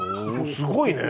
すごいね！